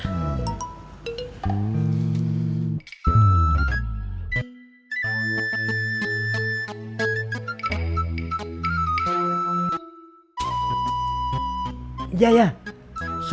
ntar kita terlima